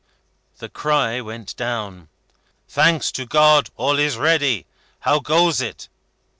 The cry went down: "Thanks to God, all is ready. How goes it?"